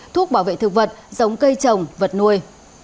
thuốc bảo vệ thực vật giống cây trồng vật nuôi